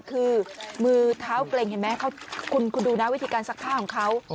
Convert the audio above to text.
คือมือเท้าเกร็งเห็นไหมคุณดูนะวิธีการซักผ้าของเขา